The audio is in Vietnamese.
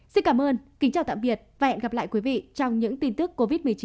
xin cảm ơn kính chào tạm biệt và hẹn gặp lại quý vị trong những tin tức covid một mươi chín